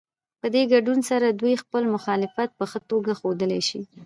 په دې ګډون سره دوی خپل مخالفت په ښه توګه ښودلی شي.